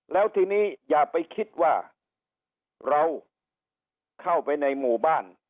แล้วทีนี้อย่าไปคิดว่าเราเข้าไปในหมู่บ้าน